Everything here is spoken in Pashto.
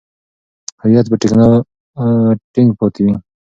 هویت به ټینګ پاتې وي.